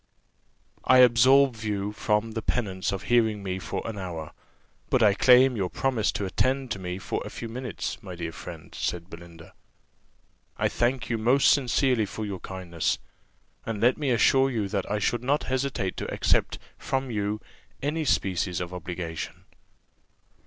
"I absolve you from the penance of hearing me for an hour, but I claim your promise to attend to me for a few minutes, my dear friend," said Belinda: "I thank you most sincerely for your kindness; and let me assure you that I should not hesitate to accept from you any species of obligation."